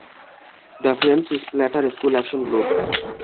The French splatter school action-group.